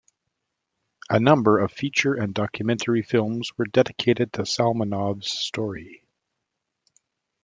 A number of feature and documentary films were dedicated to Salmanov's story.